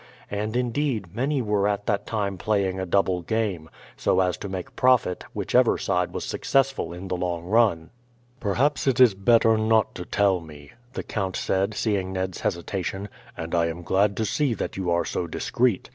And, indeed, many were at that time playing a double game, so as to make profit whichever side was successful in the long run. "Perhaps it is better not to tell me," the count said, seeing Ned's hesitation, "and I am glad to see that you are so discreet.